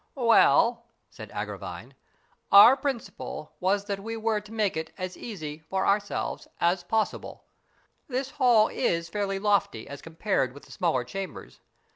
" Well," said Agravine, " our principle was that we were to make it as easy for ourselves as possible. This hall is fairly lofty as compared with the smaller chambers.